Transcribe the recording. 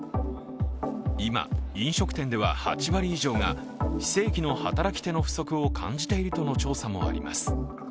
今、飲食店では８割以上が非正規の働き手の不足を感じているとの調査もあります。